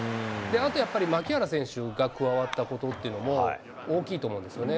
あとやっぱり、牧原選手が加わったことっていうのも、大きいと思うんですよね。